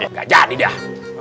nggak jadi dah